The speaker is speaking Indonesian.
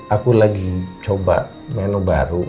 aku lagi coba menu baru